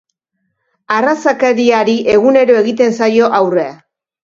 Arrazakeriari egunero egiten zaio aurre.